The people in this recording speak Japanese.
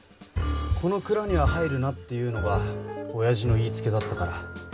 「この蔵には入るな」っていうのがおやじの言いつけだったから。